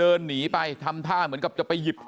ไปรับศพของเนมมาตั้งบำเพ็ญกุศลที่วัดสิงคูยางอเภอโคกสำโรงนะครับ